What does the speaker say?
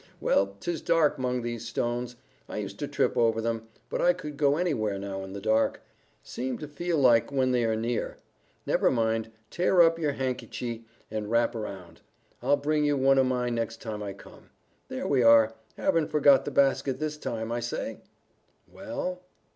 "Well, 'tis dark 'mong these stones. I used to trip over them, but I could go anywhere now in the dark. Seem to feel like when they are near. Never mind, tear up yer hankychy and wrap round. I'll bring you one o' mine next time I come. There we are. Haven't forgot the basket this time. I say?" "Well?"